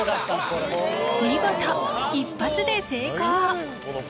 これ見事一発で成功！